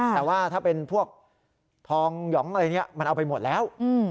แต่ว่าถ้าเป็นพวกทองหยองอะไรเนี่ยมันเอาไปหมดแล้ว